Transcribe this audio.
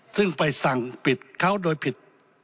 ซึ่งไปสั่งปิดเขาโดยผิด